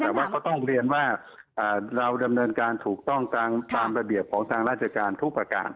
แต่ว่าก็ต้องเรียนว่าเราดำเนินการถูกต้องตามระเบียบของทางราชการทุกประการ